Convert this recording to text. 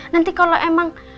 nanti kalau emang